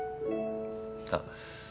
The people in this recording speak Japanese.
あっ。